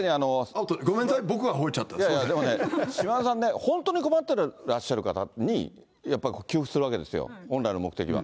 ごめんなさい、僕がほえちゃ島田さんね、本当に困ってらっしゃる方にやっぱり給付するわけですよ、本来の目的は。